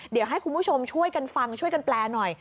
เดี๋ยวให้คุณผู้ชมช่วยกันฟังช่วยกันแปลหน่อย